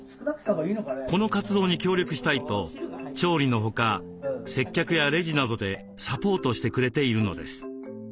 この活動に協力したいと調理のほか接客やレジなどでサポートしてくれているのです。